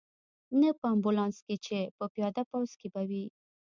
نه په امبولانس کې، چې په پیاده پوځ کې به وې.